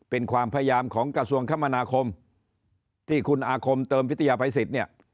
เป็นความพยายามของกระทรวงคมนาคมที่คุณอาคมเติมพิทยาภัยสิทธิ์เนี่ย